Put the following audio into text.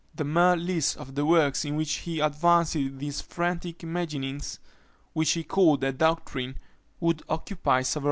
The mere list of the works in which he advances these frantic imaginings, which he called a doctrine, would occupy several pages.